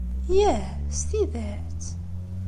Yah! s tidet?